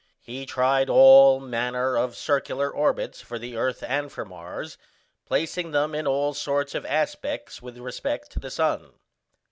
He tried all manner of circular orbits for the earth and for Mars, placing them in all sorts of aspects with respect to the sun.